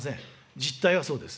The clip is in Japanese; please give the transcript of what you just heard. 実態はそうです。